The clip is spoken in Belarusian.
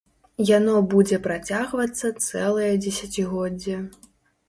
Яно будзе працягвацца цэлае дзесяцігоддзе.